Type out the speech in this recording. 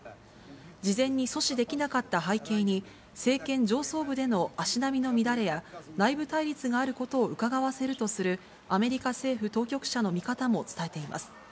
事前に阻止できなかった背景に、政権上層部での足並みの乱れや内部対立があることをうかがわせるとする、アメリカ政府当局者の見方も伝えています。